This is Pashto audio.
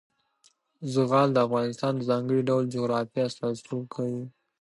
زغال د افغانستان د ځانګړي ډول جغرافیه استازیتوب کوي.